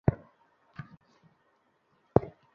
তার ফোনে কল যাচ্ছে না।